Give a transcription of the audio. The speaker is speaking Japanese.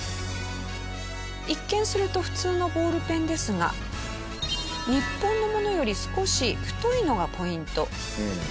一見すると普通のボールペンですが日本のものより少し太いのがポイント。